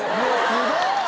すごい！